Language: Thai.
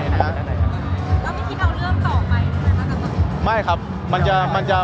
แล้วพี่คิดเอาเรื่องต่อไปทำไมว่าก็ต่อไป